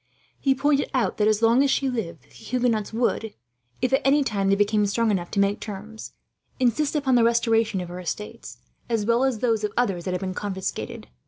He pointed out that, as long as she lived, the Huguenots would, if at any time they became strong enough to make terms, insist upon the restoration of her estates, as well as those of others that had been confiscated.